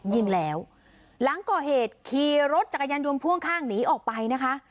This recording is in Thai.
ยิงแล้วหลังก่อเหตุขี่รถจักรยานยนต์พ่วงข้างหนีออกไปนะคะ